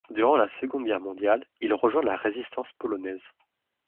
Durant la Seconde Guerre mondiale, il rejoint la résistance polonaise.